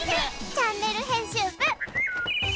チャンネル編集部。